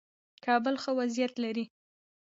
کابل ښه وضعیت لري.